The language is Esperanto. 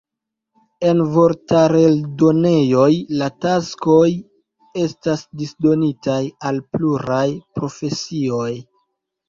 En vortar-eldonejoj la taskoj estas disdonitaj al pluraj profesioj.